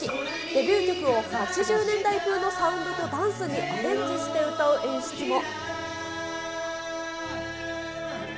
デビュー曲を８０年代風のサウンドとダンスにアレンジして歌う演出も。